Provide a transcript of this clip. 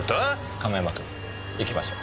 亀山君行きましょう。